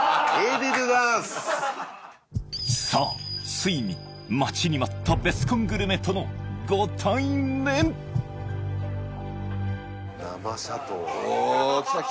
ついに待ちに待ったベスコングルメとのご対面生シャトーああ